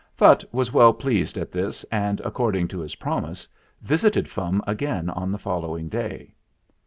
Phutt was well pleased at this and, accord ing to his promise, visited Fum again on the following day.